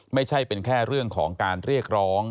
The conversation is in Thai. ไม่ใช่เป็นแค่เรื่องของการเรียกร้อง